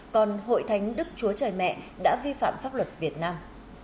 còn hội thánh đức chúa trời mẹ đã vi phạm pháp luật việt nam